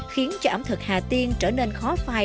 khiến cho ẩm thực hà tiên trở nên khó phai